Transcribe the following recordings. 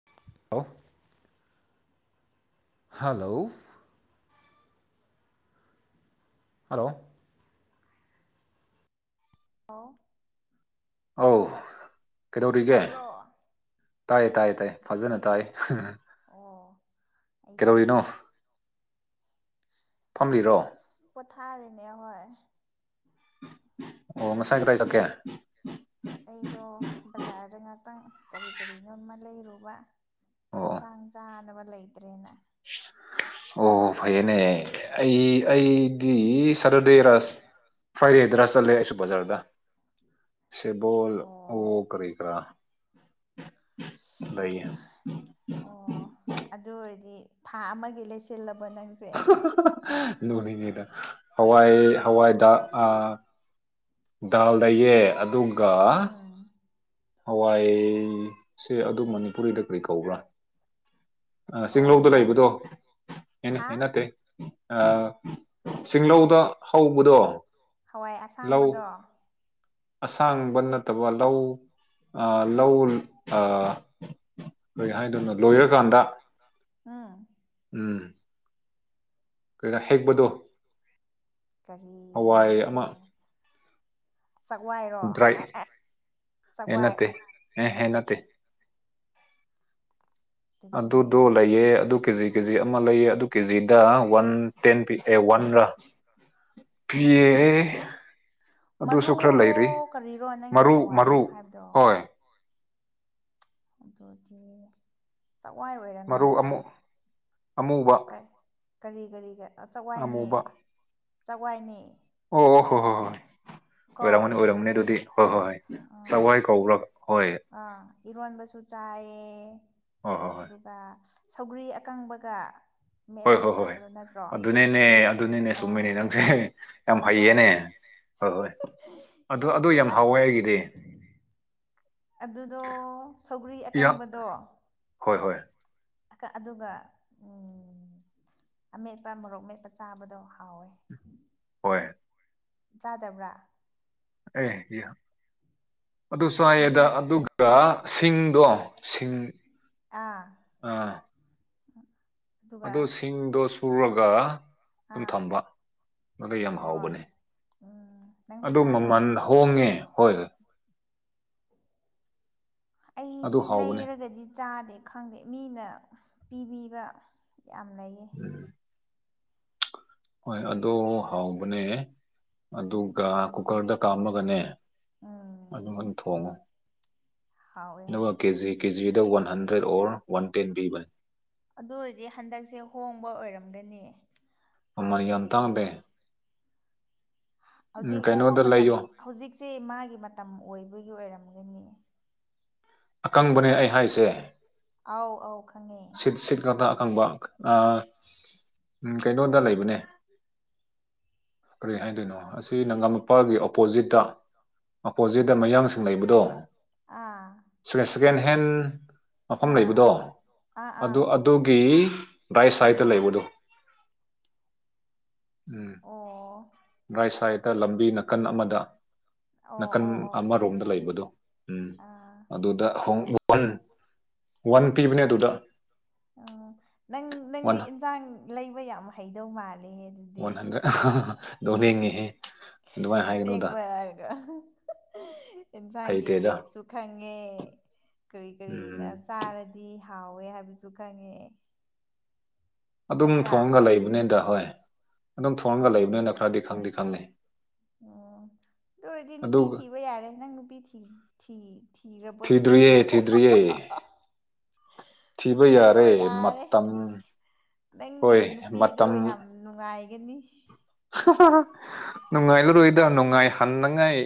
[unintelligible] hello hello ꯍꯣ ꯑꯧ ꯀꯩꯗꯧꯔꯤꯒꯦ ꯇꯥꯕ꯭ꯔꯣ ꯇꯥꯏꯌꯦ ꯇꯥꯏꯌꯦ ꯇꯥꯏ ꯐꯖꯅ ꯇꯥꯏꯌꯦ ꯑꯣ ꯑꯩꯒꯤ ꯐꯝꯂꯤꯔꯣ [unintelligible] ꯄꯣꯊꯥꯔꯤꯅꯦ ꯍꯣꯏ ꯑꯣ ꯉꯁꯥꯏ ꯎꯝ ꯀꯗꯥꯏ ꯆꯠꯀꯦ ꯑꯩꯗꯣ ꯕꯖꯥꯔꯗ ꯉꯥꯇꯪ ꯀꯔꯤ ꯀꯔꯤꯅꯣꯃ ꯂꯩꯔꯨꯕ ꯑꯣ ꯏꯟꯁꯥꯡ ꯆꯥꯅꯕ ꯂꯩꯇ꯭ꯔꯦꯅ ꯑꯣ ꯐꯩꯌꯦꯅꯦ ꯑꯩ ꯑꯩꯗꯤ ꯁꯇꯔꯗꯦꯔꯁ ꯐꯥꯏꯗꯦꯗꯔꯥ ꯆꯠꯂꯦ ꯑꯩꯁꯨ ꯕꯖꯥꯔꯗ ꯁꯤꯕꯣꯜ ꯑꯣ ꯀꯔꯤ ꯀ꯭ꯔꯥ ꯂꯩꯌꯦ ꯑꯣ ꯑꯗꯨ ꯑꯣꯏꯔꯗꯤ ꯊꯥ ꯑꯃꯒꯤ ꯂꯩꯁꯤꯜꯂꯕ ꯅꯪ ꯅꯣꯛꯅꯤꯡꯉꯦꯗ ꯍꯋꯥꯏ ꯍꯋꯥꯏꯗ ꯑ ꯗꯥꯜ ꯂ‌ꯩꯌ‌ꯦ ꯑꯗ ꯑꯝ ꯍꯋꯥꯏꯁꯦ ꯑꯗꯨ ꯃꯅꯤꯄꯨꯔꯤꯗ ꯀ꯭ꯔꯤ ꯀꯧꯕ꯭ꯔꯥ ꯑ ꯍꯋꯥꯏ ꯆꯤꯡꯂꯧꯗ ꯃꯪꯒꯟ ꯂꯩꯕꯗꫭ ꯍꯥ ꯑ‌ꯦ ꯅꯠꯇꯦ ꯑ ꯆꯤꯂꯧꯗ ꯍꯧꯕꯗꯣ ꯍꯋꯥꯏ ꯂꯧ ꯑꯁꯥꯡꯕꯗꯣ ꯑꯁꯥꯡꯕ ꯅꯠꯇꯕ ꯂꯧ ꯑ ꯂꯧ ꯑ ꯀꯩ ꯍꯥꯏꯗꯧꯅꯣ ꯂꯣꯏꯔꯀꯥꯟꯗ ꯑꯝ ꯎꯝ ꯀꯔꯥ ꯍꯦꯛꯄꯗꯣ ꯍꯋꯥꯏ ꯑꯃ ꯀꯔꯤꯔꯣꯅ‌ꯦ ꯆꯛꯋꯥꯏꯔꯣ ꯗ꯭ꯔꯥꯏ ꯆꯛꯋꯥꯏ ꯍꯦ ꯍꯦ ꯅꯠꯇꯦ ꯑꯗꯨꯗꯣ ꯑꯗꯨꯗꯤ ꯂꯩꯌ‌ꯦ ꯑꯗꯨ ꯀꯦꯖꯤ ꯀꯦꯖꯤ ꯑꯃ ꯂꯩꯌꯦ ꯑꯗꯨ ꯀꯦꯖꯤꯗ ꯋꯥꯟ ꯇꯦꯟ ꯄꯤ ꯑꯦ ꯋꯥꯟꯔꯥ ꯄꯤꯌ‌ꯦ ꯑꯦ ꯑꯗꯨꯁꯨ ꯈꯔ ꯂꯩꯔꯤ ꯃꯔꯨꯔꯣ ꯀꯔꯤꯔꯣ ꯅꯪꯒꯤ ꯃꯔꯨ ꯍꯋꯥꯏ ꯃꯔꯨ ꯅꯪ ꯍꯣꯏ ꯑꯗꯣꯗꯤ ꯆꯛꯋꯥꯏ ꯃꯔꯨ ꯑꯣꯏꯔꯝꯅꯤꯗ ꯑꯃꯨ ꯑꯃꯨꯕ ꯀꯔꯤ ꯀꯔꯤ ꯀꯔꯤꯒ ꯆꯛꯋꯥꯏꯅꯦ ꯑꯃꯨꯕ ꯆꯛꯋꯥꯏꯅꯦ ꯑꯣ ꯑꯣ ꯍꯣ ꯍꯣ ꯍꯣꯏ ꯑꯣꯔꯝꯒꯅꯤ ꯑꯣꯔꯝꯒꯅꯤ ꯑꯗꯨꯗꯤ ꯍꯣꯏ ꯍꯣꯏ ꯍꯣꯏ ꯑ ꯆꯋꯥꯏ ꯀꯧꯕ꯭ꯔꯥ ꯍꯣꯏ ꯑꯥ ꯏꯔꯣꯟꯕꯁꯨ ꯆꯥꯏꯌꯦ ꯍꯣ ꯍꯣ ꯍꯣꯏ ꯑꯗꯨꯒ ꯁꯧꯒ꯭ꯔꯤ ꯑꯀꯪꯕꯒ ꯍꯣꯏ ꯃꯦꯠꯂꯒ ꯍꯣꯏ ꯍꯣꯏ ꯆꯥꯕꯗꯣ ꯅꯠꯇ꯭ꯔꯣ ꯑꯗꯨꯅꯤꯅꯦ ꯑꯗꯨꯅꯤꯅꯦ ꯆꯨꯝꯃꯤꯅꯦ ꯑꯣ ꯅꯪꯁꯦ ꯌꯥꯝ ꯍꯩꯌꯦꯅꯦ ꯆꯥꯛꯋꯥꯏꯅꯦ ꯍꯣꯏ ꯍꯣꯏ ꯑꯗꯨ ꯑꯗꯨ ꯌꯥꯝ ꯍꯩꯇꯦꯗ ꯍꯥꯎꯋꯦ ꯑꯩꯒꯤꯗꯤ ꯑꯗꯨꯗꯣ ꯁꯧꯒ꯭ꯔꯤ ꯌꯥ ꯑꯀꯪꯕꯗꯣ ꯍꯣꯏ ꯍꯣꯏ ꯑꯀꯥ ꯑꯗꯨꯒ ꯎꯝ ꯑꯃꯦꯠꯄ ꯃꯣꯔꯣꯛ ꯃꯦꯠꯄ ꯆꯥꯕꯗꯣ ꯍꯥꯎꯋꯦ ꯍꯣꯏ ꯆꯥꯗꯕ꯭ꯔꯥ ꯑꯦ ꯑꯗꯨ ꯆꯥꯏꯌ‌ꯦꯗ ꯑꯗꯨꯅ ꯑꯗꯨ ꯒ ꯁꯤꯡꯗꯣ ꯁꯤꯡ ꯑꯥ ꯑꯗꯨꯒ ꯑꯗꯣ ꯁꯤꯡꯗꯣ ꯁꯨꯔꯒ ꯑꯗꯨꯝ ꯑꯥ ꯊꯝꯕ ꯃꯗꯨ ꯌꯥꯝ ꯍꯣꯏ ꯍꯥꯎꯕꯅ‌ꯦ ꯎꯝ ꯅꯪꯁꯨ ꯑꯗꯨ ꯆꯥꯕ꯭ꯔꯥ ꯃꯃꯟ ꯍꯣꯡꯉꯦ ꯍꯣꯏ ꯑꯗꯨ ꯑꯩꯗꯤ ꯍꯥꯎꯕꯅꯦ ꯂꯩꯔꯒꯗꯤ ꯆꯥꯗꯦ ꯈꯪꯗꯦ ꯃꯤꯅ ꯄꯤꯕꯤꯕ ꯌꯥꯝ ꯂꯩꯌꯦ ꯎꯝ ꯍꯣꯏ ꯑꯗꯣ ꯍꯥꯎꯕꯅꯦ ꯑꯗꯨꯒ ꯀꯨꯀꯔꯗ ꯎꯝ ꯀꯥꯝꯃꯒꯅꯦ ꯎꯝ ꯑꯗꯨꯃꯥꯢ ꯊꯣꯡꯉꯣ ꯍꯥꯎꯋꯦ ꯍꯣꯏ ꯑꯗꯨꯒ ꯀꯦ ꯖꯤ ꯀꯦ ꯖꯤꯗ one hundred or one ten ꯄꯤꯕꯅꯦ ꯑꯗꯨ ꯑꯣꯏꯔꯗꯤ ꯍꯟꯗꯛꯁꯦ ꯍꯣꯡꯕ ꯑꯣꯏꯔꯝꯒꯅꯤ ꯃꯃꯜ ꯌꯥꯝ ꯍꯥꯟꯅꯗꯤ ꯇꯥꯡꯗꯦ ꯎꯝ ꯍꯧꯖꯤꯛ ꯍꯣꯡꯕ ꯀꯩꯅꯣꯗ ꯃꯇꯝ ꯂꯩꯌꯣ ꯍꯧꯖꯤꯛꯁꯦ ꯃꯥꯒꯤ ꯃꯇꯝ ꯑꯣꯏꯕꯒꯤ ꯑꯣꯏꯔꯝꯒꯅꯤ ꯑꯀꯪꯕꯅꯦ ꯑꯩ ꯍꯥꯏꯁꯦ ꯑꯥꯎ ꯑꯧ ꯈꯪꯉꯦ ꯁꯤꯠ ꯈꯛꯇ ꯑꯈꯪꯕ ꯑ ꯎꯝ ꯀꯩꯅꯣꯗ ꯂꯩꯕꯅꯦ ꯀꯔꯤ ꯍꯥꯏꯗꯣꯏꯅꯣ ꯑꯁꯤ ꯅꯒꯥꯝꯃꯄꯥꯜꯒꯤ ꯑꯣꯄꯣꯖꯤꯠꯇ ꯑꯄꯣꯖꯤꯠꯇ ꯃꯌꯥꯡꯁꯤꯡ ꯂꯩꯕꯗꯣ ꯑꯥ [unintelligible] ꯁꯦꯀꯦꯟ ꯍꯦꯟ ꯃꯐꯝ ꯑꯥ ꯂꯩꯕꯗꯣ ꯑꯥ ꯑꯥ ꯑꯥ ꯑꯗꯨ ꯑꯗꯨꯒꯤ ꯔꯥꯏꯠ ꯁꯥꯏꯠꯇ ꯎꯝ ꯂꯩꯕꯗꯣ ꯎꯝ ꯑꯣ ꯔꯥꯏꯠ ꯁꯥꯏꯠꯇ ꯂꯝꯕꯤ ꯅꯥꯀꯟ ꯑꯃꯗ ꯑꯣ ꯅꯥꯀꯟ ꯑꯣ ꯑꯣ ꯈꯪꯉꯦ ꯑꯃꯔꯣꯝꯗ ꯈꯪꯉꯦ ꯂꯩꯕꯗꯣ ꯎꯝ ꯑꯥ ꯑꯗꯨꯗ ꯍꯣꯡ [unintelligible] ꯋꯥꯟ ꯄꯤꯕꯅꯦ ꯑꯗꯨꯗ ꯑꯣ ꯅꯪ ꯋꯥꯟ ꯅꯪꯗꯤ ꯏꯟꯁꯥꯡ ꯂꯩꯕ ꯌꯥꯝ ꯍꯩꯗꯧ ꯃꯥꯜꯂꯦ ꯑꯗꯨꯗꯤ ꯋꯥꯟ ꯍꯟꯗ꯭ꯔꯦꯠ ꯅꯣꯡꯅꯤꯡꯑꯦꯍꯦ ꯑꯁꯦꯡꯕ ꯍꯥꯏꯔꯒ ꯌꯦꯟꯁꯥꯡꯒꯤ ꯍꯩꯇꯦꯗ ꯔꯦꯠꯁꯨ ꯈꯪꯉꯦ ꯀꯔꯤ ꯀꯔꯤ ꯎꯝ ꯆꯥꯔꯗꯤ ꯍꯥꯎꯋꯦ ꯍꯥꯏꯕꯁꯨ ꯈꯪꯉꯦ ꯑꯗꯨꯝ ꯅꯠꯇ꯭ꯔꯥ ꯊꯣꯡꯉꯒ ꯂꯩꯕꯅꯤꯗ ꯍꯣꯏ ꯑꯗꯨꯝ ꯊꯣꯡꯉꯒ ꯑꯣ ꯂꯩꯕꯅꯤꯅ ꯈꯔꯗꯤ ꯈꯪꯗꯤ ꯈꯪꯉꯦ ꯑꯣ ꯑꯗꯨ ꯑꯣꯢꯔꯗꯤ ꯅꯨꯄꯤ ꯑꯗꯨꯒ ꯊꯤꯕ ꯌꯥꯔꯦ ꯅꯪ ꯅꯨꯄꯤ ꯊꯤ ꯊꯤꯔꯕꯣ ꯊꯤꯗ꯭ꯔꯤꯌꯦ ꯊꯤꯗ꯭ꯔꯤꯕꯣ ꯊꯤꯗ꯭ꯔꯤꯌꯦ ꯊꯤꯕ ꯊꯤꯔꯣ ꯌꯥꯔꯦ ꯌꯥꯔꯦ ꯃꯇꯝ ꯑꯁ ꯅꯪꯒꯤ ꯍꯣꯏ ꯅꯨꯄꯤꯗꯣ ꯃꯇꯝ ꯌꯥꯝ ꯅꯨꯡꯉꯥꯏꯒꯅꯤ ꯅꯨꯡꯉꯥꯏꯂꯔꯣꯏꯗ ꯅꯨꯡꯉꯥꯏꯍꯟꯅꯟꯅꯉꯥꯏ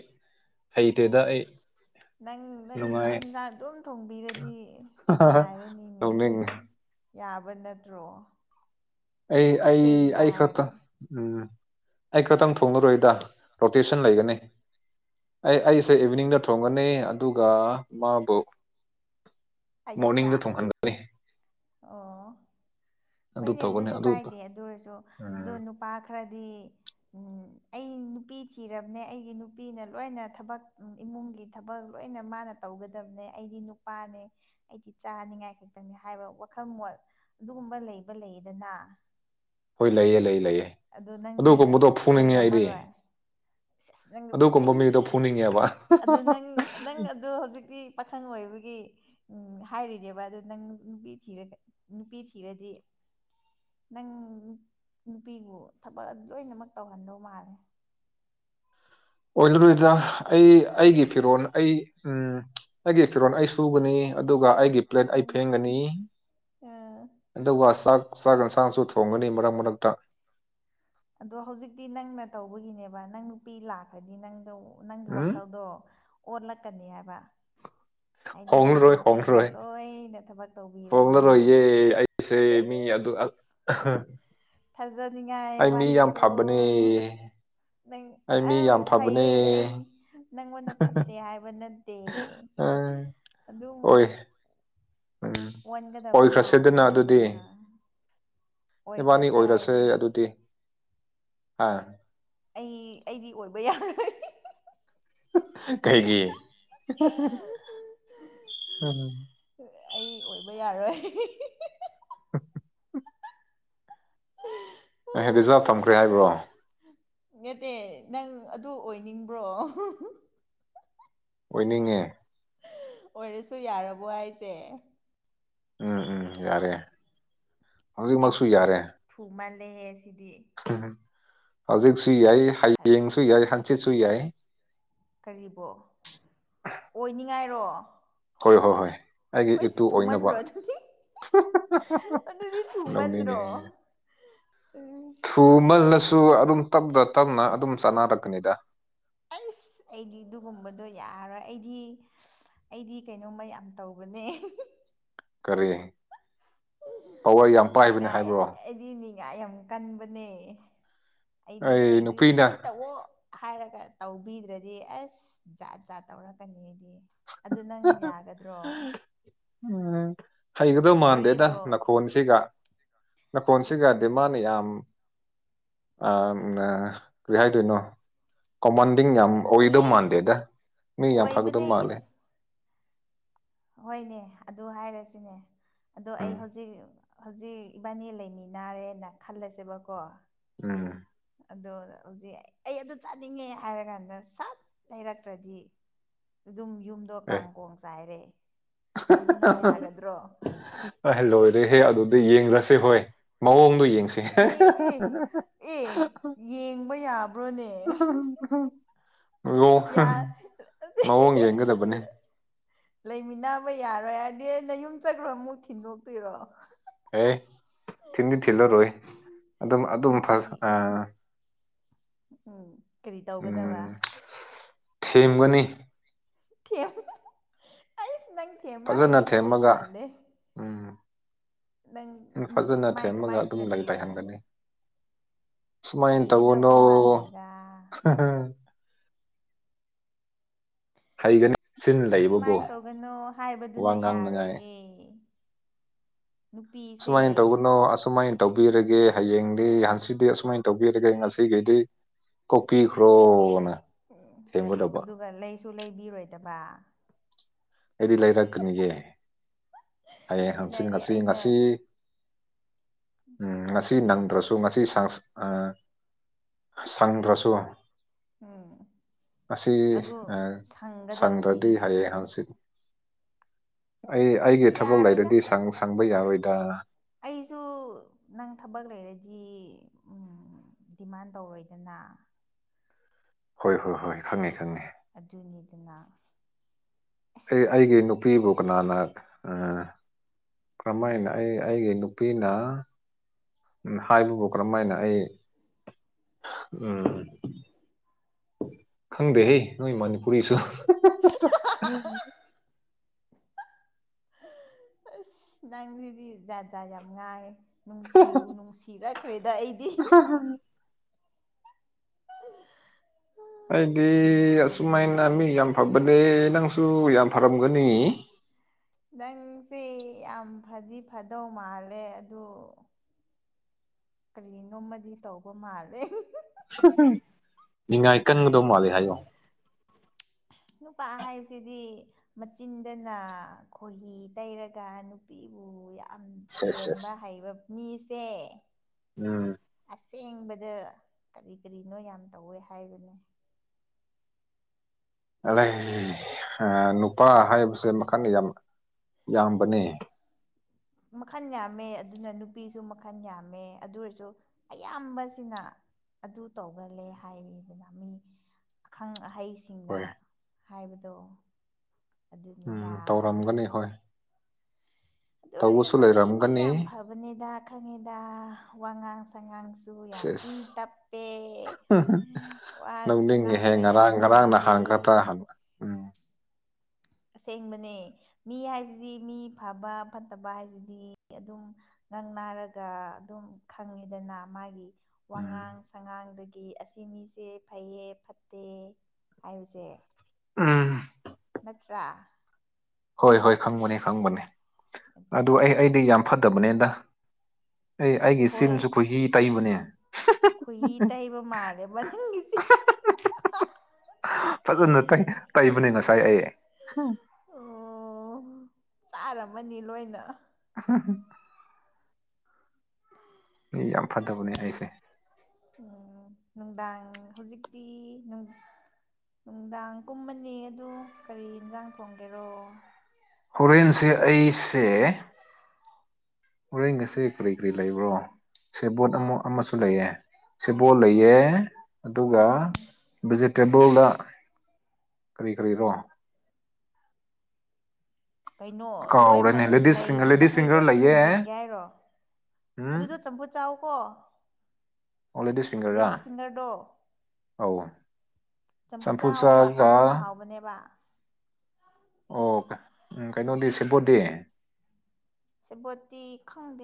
ꯍꯩꯇꯦꯗ ꯑꯩ ꯅꯪ ꯅꯪꯅ ꯆꯥꯛ ꯅꯨꯡꯉꯥꯏ ꯌꯦꯟꯁꯥꯡ ꯑꯗꯨꯝ ꯊꯣꯡꯕꯤꯔꯗꯤ ꯅꯨꯡꯉꯥꯏꯔꯅꯤꯅꯦ ꯇꯧꯅꯤꯡꯉꯤ ꯌꯥꯕ ꯅꯠꯇ꯭ꯔꯣ ꯑꯩ ꯑꯁꯦꯡꯕ ꯑꯩ ꯈꯠꯇ ꯍꯥꯏꯔꯒ ꯎꯝ ꯑꯩ ꯈꯛꯇꯪ ꯊꯣꯡꯉꯔꯣꯏꯗ ꯔꯣꯇꯦꯁꯟ ꯂꯩꯒꯅꯤ ꯑꯦ ꯑꯩꯁꯦ ꯑꯁ ꯏꯚꯤꯅꯤꯡꯗ ꯊꯣꯡꯒꯅꯤ ꯑꯗꯨꯒ ꯃꯥꯕꯨ ꯑꯌꯨꯛꯇ ꯃꯣꯔꯅꯤꯡꯗ ꯊꯣꯡꯍꯟꯒꯅꯤ ꯑꯣ ꯑꯗꯨ ꯍꯣꯢꯅꯦ ꯇꯧꯒꯅꯤ ꯑꯗꯨꯁꯨ ꯀꯥꯏꯗꯦ ꯑꯗꯨ ꯑꯣꯏꯔꯁꯨ ꯑꯗꯣ ꯎꯝ ꯅꯨꯄꯥ ꯈꯔꯗꯤ ꯑꯩ ꯅꯨꯄꯤ ꯊꯤꯔꯕꯅꯦ ꯑꯩꯒꯤ ꯅꯨꯄꯤꯅ ꯂꯣꯏꯅ ꯊꯕꯛ ꯏꯃꯨꯡꯒꯤ ꯊꯕꯛ ꯂꯣꯏꯅ ꯃꯥꯅ ꯇꯧꯒꯗꯕꯅꯦ ꯑꯩꯗꯤ ꯅꯨꯄꯥꯅꯦ ꯑꯩꯗꯤ ꯆꯥꯅꯤꯡꯉꯥꯏ ꯈꯛꯇꯪꯅꯤ ꯍꯥꯏꯕ ꯋꯥꯈꯜ ꯃꯣꯠ ꯑꯗꯨꯒꯨꯝꯕ ꯂꯩꯕ ꯂꯩꯌꯦꯗꯅ ꯍꯣꯏ ꯂꯩꯌꯦ ꯂꯩꯌꯦ ꯂꯩꯌꯦ ꯑꯗꯣ ꯅꯪꯗꯤ ꯑꯗꯨꯒꯨꯝꯕꯗꯣ ꯐꯨꯅꯤꯡꯉꯦ ꯑꯩꯗꯤ ꯂꯩꯔꯝꯃꯔꯣꯏ ꯅꯪ ꯑꯗꯨꯒꯨꯝꯕ ꯄꯨꯅꯤꯡ ꯃꯤꯗꯣ ꯐꯨꯅꯤꯡꯉꯦꯕ ꯑꯗꯨ ꯅꯪ ꯅꯪ ꯑꯗꯨ ꯍꯧꯖꯤꯛꯇꯤ ꯄꯥꯈꯪ ꯑꯣꯏꯕꯒꯤ ꯍꯥꯏꯔꯤꯅꯦꯕ ꯑꯗꯨꯗ ꯅꯪ ꯅꯨꯄꯤ ꯊꯤꯔꯒ ꯅꯨꯄꯤ ꯊꯤꯔꯗꯤ ꯅꯪ ꯅꯨꯄꯤꯕꯨ ꯊꯕꯛ ꯂꯣꯏꯅꯃꯛ ꯇꯧꯍꯟꯗꯧ ꯃꯥꯜꯂꯦ ꯑꯣꯏꯔꯔꯣꯏꯗ ꯑꯩ ꯑꯩꯒꯤ ꯐꯤꯔꯣꯜ ꯑꯩ ꯎꯝ ꯑꯩꯒꯤ ꯐꯤꯔꯣꯜ ꯑꯩ ꯁꯨꯒꯅꯤ ꯑꯗꯨꯒ ꯑꯩꯒꯤ ꯄ꯭ꯂꯦꯠ ꯑꯩ ꯎꯝ ꯐꯦꯡꯒꯅꯤ ꯑꯥ ꯑꯗꯨꯒ ꯆꯥꯛ ꯆꯥꯛ ꯌꯦꯟꯁꯥꯡꯁꯨ ꯊꯣꯡꯒꯅꯤ ꯃꯔꯛ ꯃꯔꯛꯇ ꯑꯗꯣ ꯍꯧꯖꯤꯛꯇꯤ ꯅꯪꯅ ꯇꯧꯕꯒꯤꯅꯦꯕ ꯅꯪ ꯅꯨꯄꯤ ꯂꯥꯛꯈ꯭ꯔꯗꯤ ꯅꯪꯗꯣ ꯅꯪꯒꯤ ꯎꯝ ꯋꯥꯈꯜꯗꯣ ꯑꯣꯠꯂꯛꯀꯅꯤ ꯍꯥꯏꯕ ꯍꯥꯏꯗꯤ ꯅꯪꯒꯤ ꯍꯣꯡꯂꯔꯣꯏ ꯅꯨꯄꯤꯅ ꯍꯣꯡꯂꯔꯣꯏ ꯂꯣꯏꯅ ꯊꯕꯛ ꯇꯧꯕꯤꯔꯕꯅꯤꯅ ꯄꯁꯦ ꯃꯤ ꯁꯦꯁ ꯑꯗꯨ ꯊꯥꯖꯅꯤꯡꯉꯥꯏ ꯑꯩ ꯃꯤ ꯌꯥꯝ ꯋꯥꯠꯂꯤꯀꯣ ꯐꯕꯅꯦ ꯅꯪ ꯑꯩ ꯃꯤ ꯑꯦ ꯌꯥꯝ ꯐꯕꯅꯦ ꯐꯩꯌꯦ ꯑꯩ ꯅꯪꯉꯣꯟꯗ ꯐꯠꯇꯦ ꯍꯥꯏꯕ ꯅꯠꯇꯦ ꯎꯝ ꯑꯗꯨꯝ ꯑꯣꯏ ꯎꯝ ꯑꯣꯟꯒꯗꯕ ꯃꯥꯜꯂꯦ ꯑꯣꯏꯈ꯭ꯔꯁꯦꯗꯅ ꯍꯥꯏꯕ ꯑꯗꯨꯗꯤ ꯏꯕꯥꯅꯤ ꯑꯣꯏꯈ꯭ꯔꯁꯦ ꯑꯣꯏꯔꯁꯦ ꯍꯥꯏꯗꯤ ꯑꯗꯨꯗꯤ ꯍꯥ ꯑꯩ ꯑꯩꯗꯤ ꯑꯣꯏꯕ ꯌꯥꯔꯣꯏ ꯀꯩꯒꯤ ꯎꯝ ꯑꯩ ꯑꯣꯏꯕ ꯌꯥꯔꯣꯏ ꯑ [inaudible] ꯑꯦ ꯔꯤꯖꯥꯕ ꯊꯥꯝꯈ꯭ꯔꯦ ꯍꯥꯏꯕ꯭ꯔꯣ ꯅꯠꯇꯦ ꯅꯪ ꯑꯗꯨ ꯑꯣꯏꯅꯤꯡꯕ꯭ꯔꯣ ꯑꯣꯏꯅꯤꯡꯉꯦ ꯑꯣꯏꯔꯁꯨ ꯌꯥꯔꯕꯣ ꯍꯥꯏꯁꯦ ꯎꯝ ꯎꯝ ꯌꯥꯔꯦ ꯍꯧꯖꯤꯛꯃꯛꯁꯨ ꯑꯁ ꯊꯨ ꯃꯥꯜꯂꯦꯍꯦ ꯁꯤꯗꯤ ꯎꯝ ꯍꯧꯖꯤꯛꯁꯨ ꯌꯥꯏ ꯊꯁ ꯍꯌꯦꯡꯁꯨ ꯌꯥꯏ ꯍꯟꯆꯤꯠꯁꯨ ꯌꯥꯏ ꯀꯔꯤꯕꯣ ꯑꯣꯏꯅꯤꯡꯉꯥꯏꯔꯣ ꯍꯣꯏ ꯍꯣꯏ ꯍꯣꯏ ꯑꯩꯒꯤ ꯑꯩꯁ ꯏꯇꯨ ꯑꯣꯏꯅꯕ ꯊꯨꯃꯟꯗ꯭ꯔꯣ ꯑꯗꯨꯗꯤ ꯑꯗꯨꯗꯤ ꯅꯣꯛꯅꯤꯡꯉꯦ ꯊꯨꯃꯟꯗ꯭ꯔꯣ ꯎꯝ [inaudible] ꯊꯨ ꯃꯜꯂꯁꯨ ꯑꯗꯨꯝ ꯇꯞꯇ ꯇꯞꯅ ꯑꯗꯨꯝ ꯆꯥꯅꯔꯛꯀꯅꯤꯗ ꯑꯩꯁ ꯑꯩꯗꯤ ꯑꯗꯨꯒꯨꯝꯕꯗꯣ ꯌꯥꯔꯣꯏ ꯑꯩꯗꯤ ꯑꯩꯗꯤ ꯀꯩꯅꯣꯝꯃ ꯌꯥꯝ ꯇꯧꯕꯅꯦ ꯀꯔꯤ ꯄꯋꯥꯔ ꯌꯥꯝ ꯄꯥꯏꯕꯅꯦ ꯅꯤꯡꯉꯥꯏ ꯍꯥꯏꯕ꯭ꯔꯣ ꯑꯩꯗꯤ ꯅꯤꯡꯉꯥꯏ ꯌꯥꯝ ꯀꯟꯕꯅꯦ ꯑꯩꯗꯤ ꯑꯩ ꯑꯩꯗꯤ ꯅꯨꯄꯤꯅ ꯁꯤ ꯇꯧꯑꯣ ꯍꯥꯏꯔꯒ ꯇꯧꯕꯤꯗ꯭ꯔꯗꯤ ꯑꯁ ꯖꯥꯠ ꯖꯥꯠ ꯇꯧꯔꯛꯀꯅꯤ ꯑꯗꯨ ꯎꯝ ꯅꯪ ꯌꯥꯒꯗ꯭ꯔꯣ [unintelligible] ꯍꯩꯒꯗꯧ ꯃꯥꯟꯗꯦꯗ ꯋꯥꯔꯤꯕꯣ ꯅꯥꯈꯣꯟꯁꯤꯒ ꯅꯥꯈꯣꯟꯁꯤꯒ ꯗꯤꯃꯥꯟ ꯌꯥꯝ ꯀꯔꯤ ꯍꯥꯏꯗꯣꯏꯅꯣ ꯀꯣꯃꯟꯗꯤꯡ ꯌꯥꯝ ꯑꯣꯏꯗꯧ ꯑꯦ ꯃꯥꯟꯗꯦꯗ ꯃꯤ ꯌꯥꯝ ꯑꯣꯏꯕꯅꯦ ꯐꯥꯒꯗꯧꯕ ꯃꯥꯜꯂꯦ ꯏꯁ ꯍꯣꯏꯅꯦ ꯑꯗꯨ ꯍꯥꯏꯔꯁꯤꯅꯦ ꯑꯗꯣ ꯑꯩ ꯎꯝ ꯍꯧꯖꯤꯛ ꯍꯧꯖꯤꯛ ꯏꯕꯥꯅꯤ ꯂꯩꯃꯤ ꯅꯥꯔꯦꯅ ꯈꯜꯂꯁꯦꯕꯀꯣ ꯎꯝ ꯑꯗꯣ ꯍꯧꯖꯤꯛ ꯑꯩ ꯑꯗꯨ ꯆꯥꯅꯤꯡꯉꯦ ꯍꯥꯏꯔꯀꯥꯟꯗ ꯁꯠ ꯂꯩꯔꯛꯇ꯭ꯔꯗꯤ ꯑꯗꯨꯝ ꯌꯨꯝꯗꯣ ꯑꯦ ꯀꯥꯡꯀꯣꯡ ꯆꯥꯏꯔꯦ ꯑꯗꯨ ꯅꯪ ꯌꯥꯒꯗ꯭ꯔꯣ ꯑꯦ ꯂꯣꯏꯔꯦꯍꯦ ꯑꯗꯨꯗꯤ ꯌꯦꯡꯔꯁꯤ ꯁꯤ ꯍꯣꯏ ꯃꯑꯣꯡꯗꯣ ꯌꯦꯡꯁꯤ ꯌꯦ ꯑꯦ ꯑꯦ ꯌꯦꯡꯕ ꯌꯥꯕ [unintelligible] ꯃꯑꯣꯡ ꯌꯥ ꯃꯑꯣꯡ ꯌꯦꯡꯒꯗꯕꯅꯦ [unintelligible] [unintelligible] ꯂꯩꯃꯤꯟꯅꯕ ꯌꯥꯔꯣꯏ ꯍꯥꯏꯔꯗꯤ ꯑ ꯅꯌꯨꯝ ꯆꯠꯈ꯭ꯔꯣ ꯑꯃꯨꯛ ꯊꯤꯟꯗꯣꯛꯇꯣꯏꯔꯣ ꯑꯦ ꯊꯤꯟꯗꯤ ꯊꯤꯜꯂꯔꯣꯏ ꯑꯗꯨꯝ ꯑꯗꯨꯝ ꯅꯨꯄꯤ ꯑꯥ ꯎꯝ ꯀꯔꯤ ꯇꯧꯒꯗꯧꯕ ꯎꯝ ꯊꯦꯝꯒꯅꯤ ꯊꯦꯝꯕ ꯑꯩꯁ ꯅꯪ ꯊꯦꯝꯕ ꯐꯖꯅ ꯍꯩꯒꯗꯕ ꯊꯦꯝꯃꯒ ꯃꯥꯟꯂꯦ ꯎꯝ ꯐꯖꯅ ꯀꯃꯥꯏ ꯊꯦꯝꯃꯒ ꯀꯃꯥꯏꯅ ꯑꯗꯨꯝ ꯊꯦꯝꯗꯣꯏꯅꯣ ꯂꯩꯥꯊꯍꯟꯒꯅꯤ ꯁꯨꯃꯥꯏ ꯇꯧꯒꯅꯣ ꯍꯩꯒꯗꯧꯕ ꯃꯥꯟꯗꯦꯗ ꯍꯩꯒꯅꯤ ꯁꯤꯟ ꯂꯩꯕꯕꯨ ꯁꯨꯃꯥꯏꯅ ꯋꯥ ꯉꯥꯡꯅꯉꯥꯏ ꯑꯦ ꯁꯨꯃꯥꯏꯅ ꯇꯧꯒꯅꯣ ꯑꯁꯨꯃꯥꯏ ꯇꯧꯕꯤꯔꯒꯦ ꯍꯌꯦꯡꯗꯤ ꯍꯪꯆꯤꯠꯇꯤ ꯑꯁꯨꯃꯥꯏꯅ ꯇꯧꯕꯤꯔꯒꯦ ꯉꯁꯤꯒꯤꯗꯤ ꯀꯣꯛ ꯄꯤꯈ꯭ꯔꯣꯅ ꯎꯝ ꯑꯗꯨꯒ ꯂꯩꯁꯨ ꯂꯩꯕꯤꯔꯣꯏꯗꯕ ꯑꯩꯗꯤ ꯂꯩꯔꯛꯀꯅꯤꯌꯦ ꯍꯌꯦꯡ ꯑꯩꯅ ꯍꯪꯆꯤꯠ ꯍꯥꯏꯗꯤ ꯉꯁꯤ ꯑꯩꯅ ꯉꯁꯤ ꯎꯝ ꯉꯁꯤ ꯀꯔꯤ ꯅꯪꯗ꯭ꯔꯁꯨ ꯇꯨ ꯉꯁꯤ ꯁꯪꯁ ꯑꯥ ꯁꯪꯗ꯭ꯔꯁꯨ ꯎꯝ ꯉꯁꯤ ꯑꯗꯨ ꯑꯥ ꯁꯪꯗ꯭ꯔꯗꯤ ꯁꯪꯒꯗꯕꯅꯤꯅꯦ ꯍꯌꯦꯡ ꯍꯪꯆꯤꯠ ꯑꯩ ꯑꯗꯨ ꯑꯩꯒꯤ ꯊꯕꯛ ꯌꯥꯔꯣꯏꯗ ꯂꯩꯔꯗꯤ ꯁꯪ ꯁꯪꯕ ꯌꯥꯔꯣꯏꯗ ꯑꯩꯁꯨ ꯅꯪ ꯊꯕꯛ ꯂꯩꯔꯗꯤ ꯗꯤꯃꯥꯟ ꯇꯧꯔꯣꯏꯗꯅ ꯍꯣꯏ ꯍꯣꯏ ꯍꯣꯏ ꯈꯪꯉꯦ ꯈꯪꯉꯦ ꯑꯗꯨꯅꯤꯗꯅ ꯑꯦ ꯑꯁ ꯑꯩꯒꯤ ꯅꯨ ꯄꯤꯕꯨ ꯀꯅꯥꯅ ꯀ꯭ꯔꯃꯥꯏꯅ ꯑꯩ ꯑꯩꯒꯤ ꯅꯨꯄꯤꯅ ꯎꯝ ꯍꯥꯏꯕꯕꯨ ꯀꯔꯃꯥꯏꯅ ꯑꯩ ꯎꯝ ꯈꯪꯗꯦꯍꯦ ꯅꯣꯏ ꯃꯅꯤꯄꯨꯔꯤꯁꯨ [unintelligible] ꯑꯁ ꯅꯪꯖꯤꯗꯤ ꯖꯥꯠ ꯖꯥꯠ ꯌꯥꯝ ꯉꯥꯡꯉꯦ ꯅꯨꯡꯁꯤꯕꯨ ꯅꯨꯡꯁꯤꯔꯛꯈ꯭ꯔꯦꯗ ꯑꯩꯗꯤ [unintelligible] [unintelligible] ꯑꯩꯗꯤ ꯑꯁꯨꯃꯥꯏꯅ ꯃꯤ ꯌꯥꯝ ꯐꯕꯅꯦ ꯅꯪꯁꯨ ꯌꯥꯝ ꯐꯔꯝꯒꯅꯤ ꯅꯪꯁꯦ ꯌꯥꯝ ꯐꯗꯤ ꯐꯗꯧ ꯃꯥꯜꯂꯦ ꯑꯗꯨ ꯀꯔꯤꯅꯣꯃꯗꯤ ꯇꯧꯕ ꯃꯥꯜꯂꯦ ꯅꯤꯡꯉꯥꯏ ꯀꯟꯒꯗꯧ ꯃꯥꯂꯦ ꯍꯥꯏꯌꯣ ꯅꯨꯄꯥ ꯍꯥꯏꯕꯁꯤꯗꯤ ꯃꯆꯤꯟꯗꯅ ꯈꯣꯏꯍꯤ ꯇꯩꯔꯒ ꯅꯨꯄꯤꯕꯨ ꯌꯥꯝ ꯁꯦꯁ ꯁꯦꯁ ꯊꯦꯝꯕ ꯍꯩꯕ ꯃꯤꯁꯦ ꯎꯝ ꯑꯁꯦꯡꯕꯗ ꯀꯔꯤ ꯀꯔꯤꯅꯣ ꯌꯥꯝ ꯇꯧꯋꯦ ꯍꯥꯏꯕꯅꯦ ꯑꯂꯦ ꯅꯨꯄꯥ ꯍꯥꯏꯕꯁꯦ ꯃꯈꯟ ꯌꯥꯝ ꯌꯥꯝꯕꯅꯦ ꯃꯈꯟ ꯌꯥꯝꯃꯦ ꯑꯗꯨꯅ ꯅꯨꯄꯤꯁꯨ ꯃꯈꯜ ꯌꯥꯝꯃꯦ ꯑꯗꯨ ꯑꯣꯏꯔꯁꯨ ꯑꯌꯥꯝꯕꯁꯤꯅ ꯑꯗꯨ ꯇꯧꯒꯜꯂꯦ ꯍꯥꯏꯔꯤꯗꯅ ꯃꯤ ꯑꯈꯪ ꯑꯍꯩꯁꯤ ꯁꯤꯡꯅ ꯍꯣꯏ ꯍꯥꯏꯕꯗꯣ ꯎꯝ ꯑꯗꯨꯅꯤꯗꯥ ꯇꯧꯔꯝꯒꯅꯤ ꯍꯣꯏ ꯑꯗꯨ ꯑꯣꯏꯔꯁꯦ ꯇꯧꯕꯁꯨ ꯅꯪꯗꯤ ꯃꯤ ꯂꯩꯔꯝꯒꯅꯤ ꯌꯥꯝ ꯐꯕꯅꯦꯗ ꯈꯪꯉꯦꯗ ꯋꯥ ꯉꯥꯡꯁ ꯁꯉꯥꯡꯁꯨ ꯌꯥꯝ ꯏꯪ ꯁꯦꯁ ꯇꯞꯄꯦ ꯋꯥꯁꯨ ꯅꯧꯅꯤꯡꯉꯤꯍꯦ ꯉꯥꯡꯕ ꯌꯥꯝ ꯉꯔꯥꯡ ꯉꯔꯥꯡ ꯍꯩꯌꯦ ꯅꯍꯥꯟ ꯈꯛꯇ ꯍꯜ ꯑꯁꯦꯡꯕꯅꯦ ꯃꯤ ꯍꯥꯏꯁꯤꯗꯤ ꯃꯤ ꯐꯕ ꯐꯠꯇꯕ ꯍꯥꯏꯁꯤꯗꯤ ꯑꯗꯨꯝ ꯉꯪ ꯅꯥꯔꯒ ꯑꯗꯨꯝ ꯈꯪꯉꯤꯗꯅ ꯃꯥꯒꯤ ꯎꯝ ꯋꯥꯉꯥꯡ ꯁꯉꯥꯡꯗ ꯒꯤ ꯑꯁꯤ ꯃꯤꯁꯦ ꯐꯩꯌꯦ ꯐꯠꯇꯦ ꯍꯥꯏꯕꯁꯦ ꯎꯝ ꯅꯠꯇ꯭ꯔꯥ ꯍꯣꯏ ꯍꯣꯏ ꯈꯪꯕꯅꯦ ꯈꯪꯕꯅꯦ ꯑꯗꯨ ꯑꯗꯨꯅꯦ ꯑꯩ ꯑꯩꯗꯤ ꯌꯥꯝ ꯐꯠꯇꯕꯅꯦꯗ ꯑꯦ ꯑꯩꯒꯤ ꯍꯣꯏ ꯆꯤꯟꯁꯨ ꯈꯣꯏꯍꯤ ꯇꯩꯕꯅꯦ ꯈꯣꯏꯍꯤ ꯇꯩꯕ ꯃꯥꯜꯂꯦꯕꯣ ꯅꯪꯒꯤꯁꯦ ꯐꯖꯅ ꯇꯩ ꯇꯩꯕꯅꯦ ꯉꯁꯥꯏ ꯑꯩ ꯑꯣ ꯑꯣ ꯆꯥꯔꯝꯃꯅꯤ ꯂꯣꯏꯅ [unintelligible] [inaudible] ꯃꯤ ꯌꯥꯝ ꯐꯗꯕꯅꯦ ꯑꯩꯁꯦ ꯎꯝ ꯅꯨꯡꯗꯥꯡ ꯍꯧꯖꯤꯛꯇꯤ ꯅꯨꯡ ꯅꯨꯡꯗꯥꯡ ꯀꯨꯝꯃꯅꯤ ꯑꯗꯨ ꯀꯔꯤ ꯏꯟꯖꯥꯡ ꯊꯣꯡꯒꯦꯔꯣ ꯍꯧꯔꯦꯟꯁꯦ ꯑꯩꯁꯦ ꯍꯣꯔꯦꯟ ꯉꯁꯤ ꯀꯔꯤ ꯀꯔꯤ ꯂꯩꯕ꯭ꯔꯣ ꯁꯦꯕꯣꯠ ꯑꯃ ꯑꯃꯁꯨ ꯂꯩꯌꯦ ꯁꯦꯕꯣꯜ ꯂꯩꯌꯦ ꯑꯣ ꯑꯗꯨꯒ ꯎꯝ ꯚꯤꯖꯤꯇꯦ [unintelligible] ꯀꯔꯤ ꯀꯔꯤꯔꯣ ꯀꯩꯅꯣ ꯂꯣꯏꯃ ꯀꯥꯎꯔꯦꯅꯦ ꯂꯦꯗꯤꯁ ꯐꯤꯡꯒꯔ ꯂꯩꯕ ꯂꯦꯗꯤꯁ ꯃꯈꯩ ꯐꯤꯡꯒꯔ ꯂꯣꯏ ꯂꯩꯌꯦ ꯊꯣꯡꯖꯟꯒꯦ ꯍꯥꯏꯔꯣ ꯎꯝ ꯑꯗꯨꯗꯣ ꯆꯝꯐꯨꯠ ꯆꯥꯎ ꯀꯣ ꯑꯣ ꯐꯤꯡꯒꯔꯔꯥ ꯂꯦꯗꯤꯁ ꯐꯤꯡꯒꯔꯗꯣ ꯑꯧ ꯆꯝꯐꯨꯠ ꯆꯥꯍꯥꯎꯕ ꯆꯝꯐꯨꯠ ꯍꯥꯎꯕꯅꯦꯕ ꯑꯣꯀꯦ ꯎꯝ ꯀꯩꯅꯣꯗꯤ ꯑꯁ ꯁꯦꯕꯣꯗꯤ ꯁꯦꯕꯣꯠꯇꯤ ꯈꯪꯗꯦ